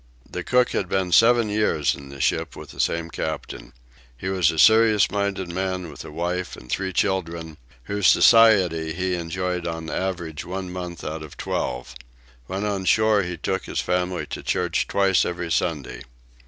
The cook had been seven years in the ship with the same captain. He was a serious minded man with a wife and three children, whose society he enjoyed on an average one month out of twelve. When on shore he took his family to church twice every Sunday.